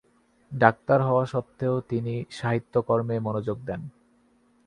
Doctor হওয়া সত্ত্বেও তিনি সাহিত্যকর্মে মনোযোগ দেন।